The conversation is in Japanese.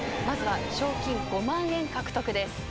まずは賞金５万円獲得です。